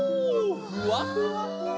ふわふわふわ。